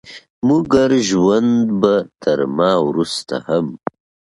مګر ژوند به تر ما وروسته هم